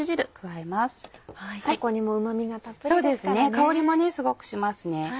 香りもすごくします。